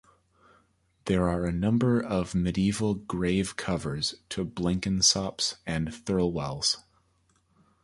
There are a number of medieval grave covers to Blenkinsopps and Thirlwells.